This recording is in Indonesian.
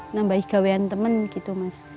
nambah gawaian teman gitu mas